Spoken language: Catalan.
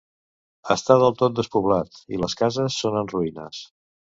Està del tot despoblat, i les cases són en ruïnes.